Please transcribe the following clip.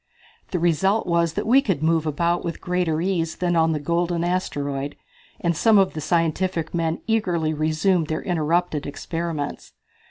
The result was that we could move about with greater ease than on the golden asteroid, and some of the scientific men eagerly resumed their interrupted experiments.